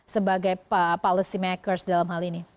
sebagai policy makers dalam hal ini